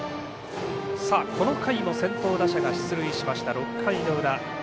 この回も先頭打者が出塁しました、６回裏。